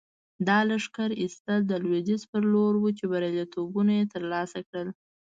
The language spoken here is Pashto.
دا لښکر ایستل د لویدیځ په لور وو چې بریالیتوبونه یې ترلاسه کړل.